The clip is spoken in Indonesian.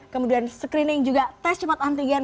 kemudian screening juga tes cepat antigen